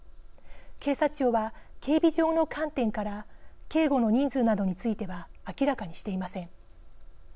警察庁は警備上の観点から警護の人数などについては明らかにしていません。